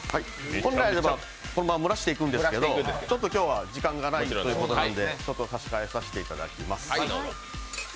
本来なら蒸らしていくんですけど今日は時間がないということなんで、差し替えさせていただきます。